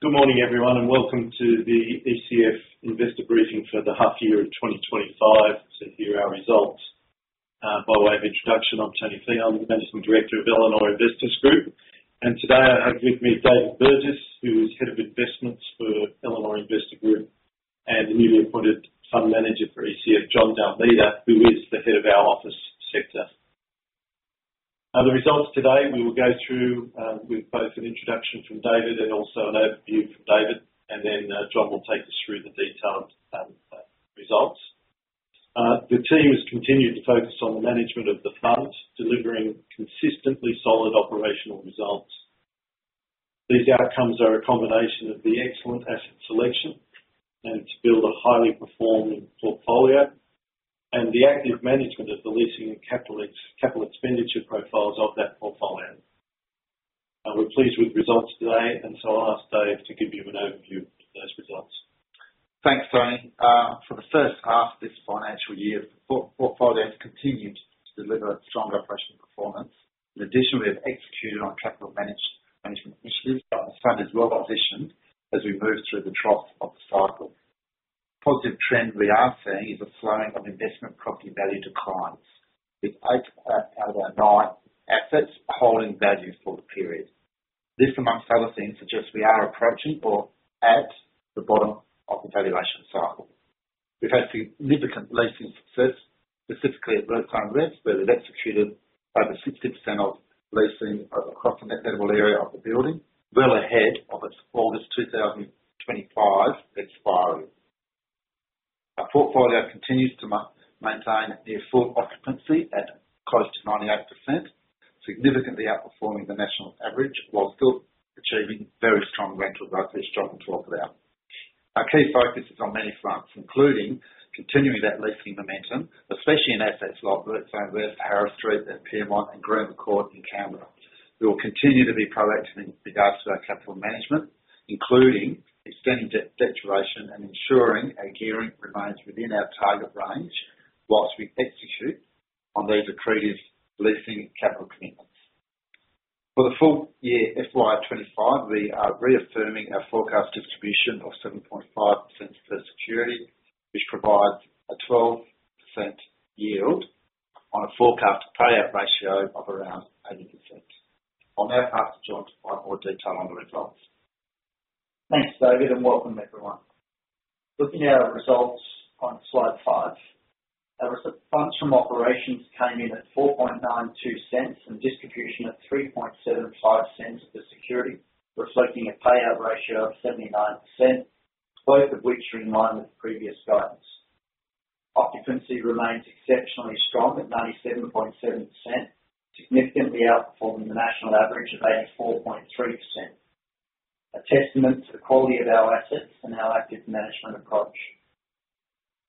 Good morning, everyone, and welcome to the ECF Investor Briefing for the half-year of 2025. Here are our results. By way of introduction, I'm Tony Fehon, Managing Director of Elanor Investors Group. Today I have with me David Burgess, who is Head of Investments for Elanor Investors Group, and the newly appointed Fund Manager for ECF, John D’Almeida, who is the Head of our Office Sector. The results today we will go through with both an introduction from David and also an overview from David, and then John will take us through the detailed results. The team has continued to focus on the management of the fund, delivering consistently solid operational results. These outcomes are a combination of the excellent asset selection to build a highly performing portfolio, and the active management of the leasing and capital expenditure profiles of that portfolio. We're pleased with the results today, and I'll ask Dave to give you an overview of those results. Thanks, Tony. For the first half of this financial year, the portfolio has continued to deliver strong operational performance. In addition, we have executed on capital management initiatives, and the fund is well positioned as we move through the trough of the cycle. The positive trend we are seeing is a slowing of investment property value declines, with eight out of our nine assets holding value for the period. This, amongst other things, suggests we are approaching or at the bottom of the valuation cycle. We've had significant leasing success, specifically at WorkZone West, where we've executed over 60% of leasing across the net leasable area of the building, well ahead of its August 2025 expiry. Our portfolio continues to maintain near full occupancy at close to 98%, significantly outperforming the national average, while still achieving very strong rental rates at strong levels now. Our key focus is on many fronts, including continuing that leasing momentum, especially in assets like WorkZone West, Harris Street, and Pyrmont, and Garema Court in Canberra. We will continue to be proactive in regards to our capital management, including extending that duration and ensuring our gearing remains within our target range whilst we execute on these accretive leasing capital commitments. For the full year FY 2025, we are reaffirming our forecast distribution of 7.5% per security, which provides a 12% yield on a forecast payout ratio of around 80%. I'll now pass to John to find more detail on the results. Thanks, David, and welcome, everyone. Looking at our results on slide five, our funds from operations came in at 4.92 cents and distribution at 3.75 cents per security, reflecting a payout ratio of 79%, both of which are in line with previous guidance. Occupancy remains exceptionally strong at 97.7%, significantly outperforming the national average of 84.3%, a testament to the quality of our assets and our active management approach.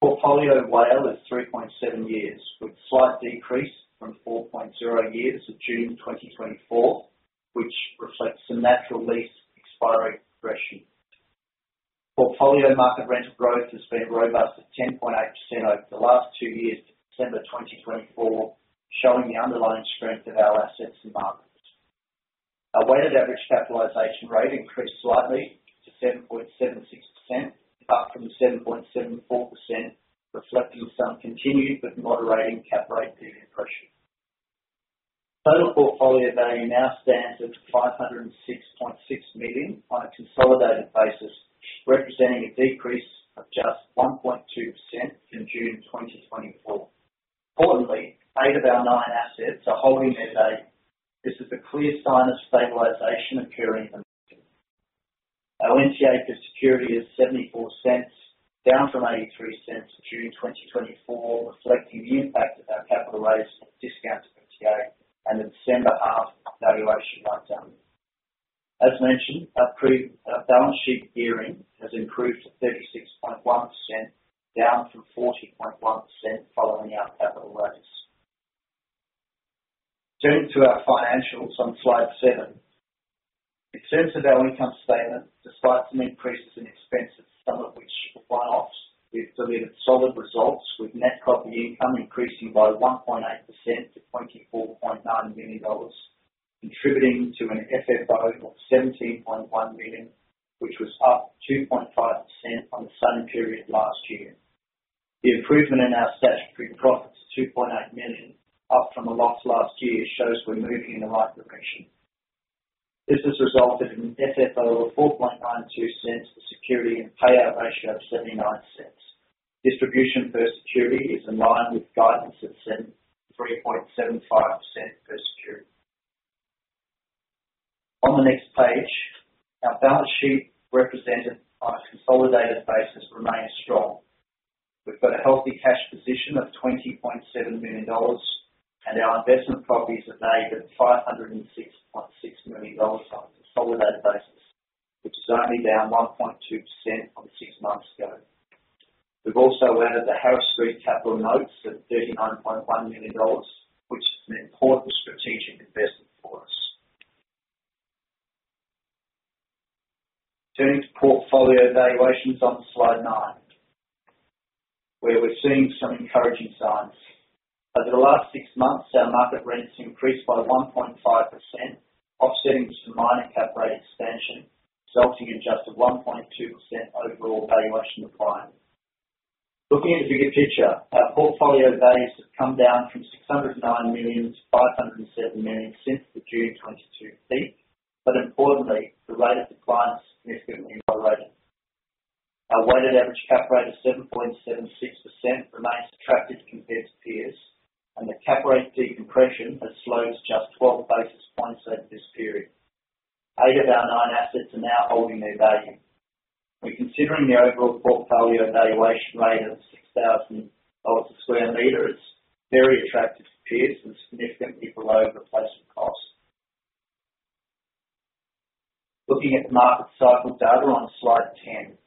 Portfolio WALE is 3.7 years, with a slight decrease from 4.0 years at June 2024, which reflects the natural lease expiry progression. Portfolio market rental growth has been robust at 10.8% over the last two years to December 2024, showing the underlying strength of our assets and markets. Our weighted average capitalization rate increased slightly to 7.76%, up from 7.74%, reflecting some continued but moderating cap rate decompression pressure. Total portfolio value now stands at 506.6 million on a consolidated basis, representing a decrease of just 1.2% from June 2024. Importantly, eight of our nine assets are holding their value. This is a clear sign of stabilization appearing in the market. Our NTA per security is 0.74, down from 0.83 in June 2024, reflecting the impact of our capital raise and discounted NTA and the December half valuation lockdown. As mentioned, our balance sheet gearing has improved to 36.1%, down from 40.1% following our capital raise. Turning to our financials on slide seven, in terms of our income statement, despite some increases in expenses, some of which were one-offs, we've delivered solid results, with net property income increasing by 1.8% to 24.9 million dollars, contributing to an FFO of 17.1 million, which was up 2.5% on the same period last year. The improvement in our statutory profits of 2.8 million, up from the loss last year, shows we're moving in the right direction. This has resulted in an FFO of 0.0492 per security and payout ratio of 79%. Distribution per security is in line with guidance at AUD 0.7375 per security. On the next page, our balance sheet, represented on a consolidated basis, remains strong. We've got a healthy cash position of 20.7 million dollars, and our investment properties are valued at 506.6 million dollars on a consolidated basis, which is only down 1.2% from six months ago. We've also added the Harris Street Capital Notes at AUD 39.1 million, which is an important strategic investment for us. Turning to portfolio valuations on slide nine, where we're seeing some encouraging signs. Over the last six months, our market rents increased by 1.5%, offsetting some minor cap rate expansion, resulting in just a 1.2% overall valuation decline. Looking at the bigger picture, our portfolio values have come down from 609 million to 507 million since the June 2022 peak, but importantly, the rate of decline is significantly moderated. Our weighted average cap rate of 7.76% remains attractive compared to peers, and the cap rate decompression has slowed to just 12 basis points over this period. Eight of our nine assets are now holding their value. When considering the overall portfolio valuation rate of 6,000 dollars per square meter, it's very attractive to peers and significantly below replacement cost. Looking at the market cycle data on slide ten,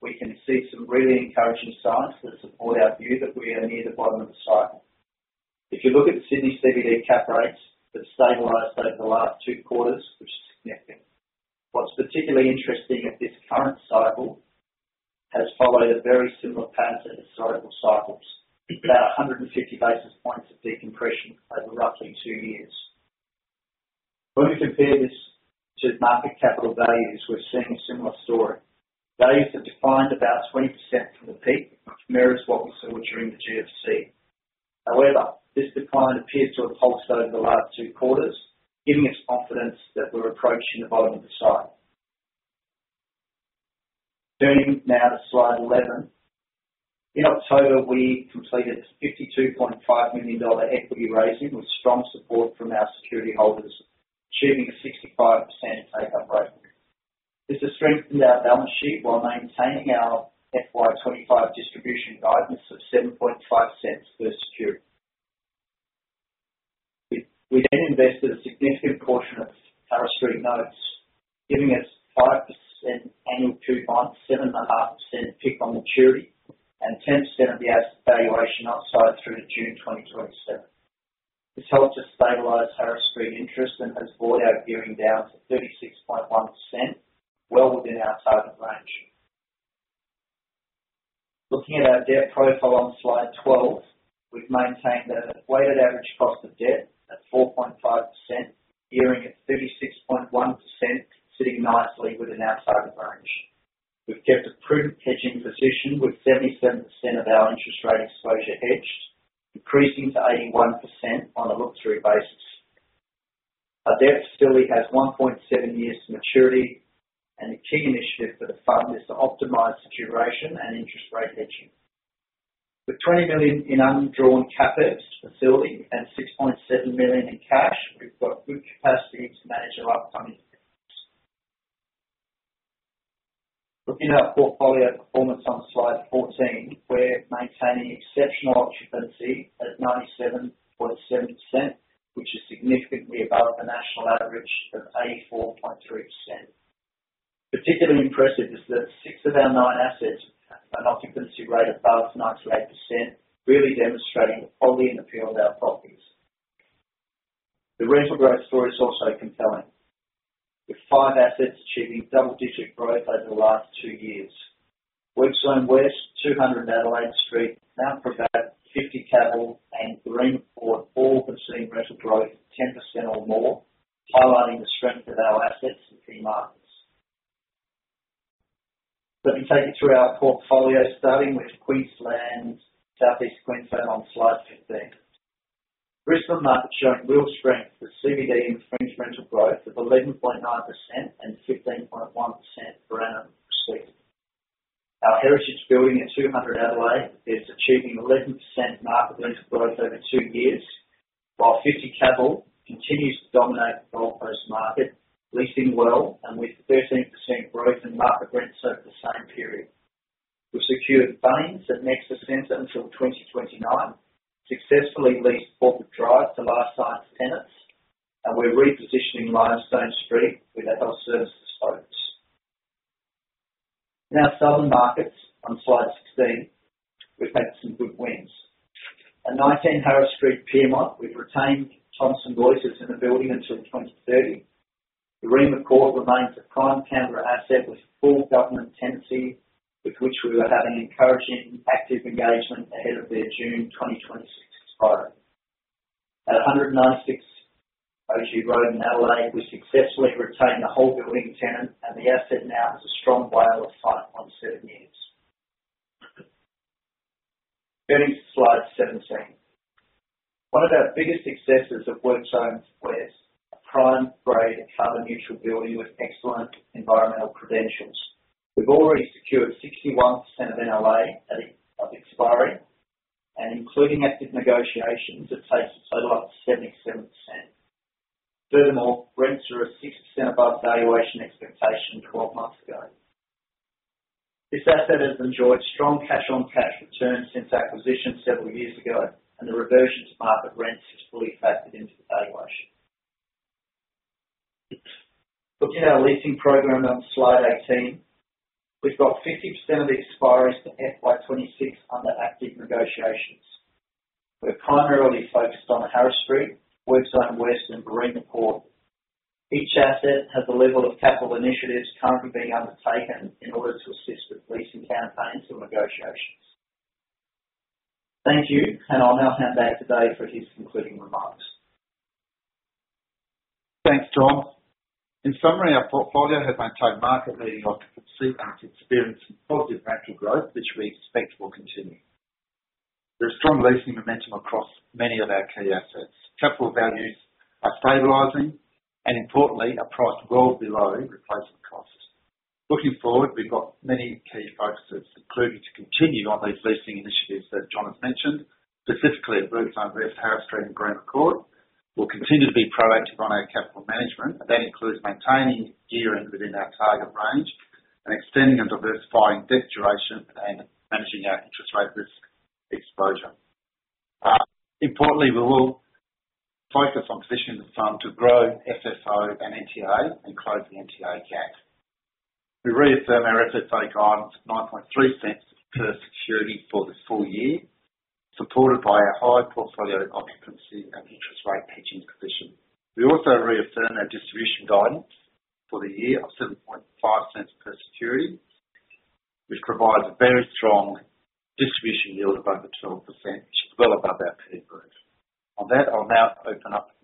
we can see some really encouraging signs that support our view that we are near the bottom of the cycle. If you look at Sydney CBD cap rates, they've stabilized over the last two quarters, which is significant. What's particularly interesting is this current cycle has followed a very similar pattern to historical cycles, about 150 basis points of decompression over roughly two years. When we compare this to market capital values, we're seeing a similar story. Values have declined about 20% from the peak, which mirrors what we saw during the GFC. However, this decline appears to have pulsed over the last two quarters, giving us confidence that we're approaching the bottom of the cycle. Turning now to slide eleven, in October, we completed an 52.5 million dollar equity raising with strong support from our security holders, achieving a 65% take-up rate. This has strengthened our balance sheet while maintaining our FY25 distribution guidance of 0.075 per security. We then invested a significant portion of Harris Street Notes, giving us 5% annual coupon, 7.5% peak on maturity, and 10% of the asset valuation upside through June 2027. This helped us stabilize Harris Street interest and has brought our gearing down to 36.1%, well within our target range. Looking at our debt profile on slide twelve, we've maintained a weighted average cost of debt at 4.5%, gearing at 36.1%, sitting nicely within our target range. We've kept a prudent hedging position with 77% of our interest rate exposure hedged, increasing to 81% on a look-through basis. Our debt facility has 1.7 years to maturity, and the key initiative for the fund is to optimize the duration and interest rate hedging. With 20 million in undrawn CapEx facility and 6.7 million in cash, we've got good capacity to manage our upcoming expenses. Looking at our portfolio performance on slide fourteen, we're maintaining exceptional occupancy at 97.7%, which is significantly above the national average of 84.3%. Particularly impressive is that six of our nine assets have an occupancy rate above 98%, really demonstrating the quality and appeal of our properties. The rental growth story is also compelling, with five assets achieving double-digit growth over the last two years. WorkZone West, 200 Adelaide Street, Mount Gravatt, 50 Cavill, and Garema Court, all have seen rental growth of 10% or more, highlighting the strength of our assets in key markets. Let me take you through our portfolio, starting with Queensland, Southeast Queensland on slide fifteen. Brisbane market showing real strength with CBD fringe growth of 11.9% and 15.1% per annum respectively. Our heritage building at 200 Adelaide is achieving 11% market rental growth over two years, while 50 Cavill continues to dominate the Gold Coast market, leasing well and with 13% growth in market rents over the same period. We've secured Bunnings at Nexus Centre until 2029, successfully leased Corporate Drive to last remaining tenants, and we're repositioning Limestone Street with our health services focus. In our southern markets on slide sixteen, we've had some good wins. At 19 Harris Street Pyrmont, we've retained Thomson Reuters in the building until 2030. The Garema Court remains a prime Canberra asset with full government tenancy, with which we were having encouraging active engagement ahead of their June 2026 expiry. At 196 O.G. Road in Adelaide, we successfully retained a whole building tenant, and the asset now has a strong WALE shy of seven years. Turning to slide seventeen, one of our biggest successes at WorkZone West is a prime grade carbon neutral building with excellent environmental credentials. We've already secured 61% of NLA of expiry, and including active negotiations, it takes a total of 77%. Furthermore, rents are a 6% above valuation expectation twelve months ago. This asset has enjoyed strong cash-on-cash returns since acquisition several years ago, and the reversion to market rents has fully factored into the valuation. Looking at our leasing program on slide eighteen, we've got 50% of the expiries to FY 2026 under active negotiations. We're primarily focused on Harris Street, WorkZone West, and Garema Court. Each asset has a level of capital initiatives currently being undertaken in order to assist with leasing campaigns and negotiations. Thank you, and I'll now hand back to Dave for his concluding remarks. Thanks, John. In summary, our portfolio has maintained market-leading occupancy and is experiencing positive rental growth, which we expect will continue. There is strong leasing momentum across many of our key assets. Capital values are stabilizing, and importantly, are priced well below replacement cost. Looking forward, we've got many key focuses, including to continue on these leasing initiatives that John has mentioned, specifically at WorkZone West, Harris Street, and Garema Court. We'll continue to be proactive on our capital management, and that includes maintaining gearing within our target range and extending and diversifying debt duration and managing our interest rate risk exposure. Importantly, we will focus on positioning the fund to grow FFO and NTA and close the NTA gap. We reaffirm our FFO guidance of 0.093 per security for the full year, supported by a high portfolio occupancy and interest rate hedging position. We also reaffirm our distribution guidance for the year of 0.075 per security, which provides a very strong distribution yield of over 12%, which is well above our peak growth. On that, I'll now open up.